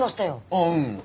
ああうん。